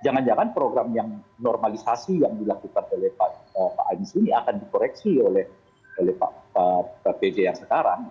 jangan jangan program yang normalisasi yang dilakukan oleh pak anies ini akan dikoreksi oleh pak pj yang sekarang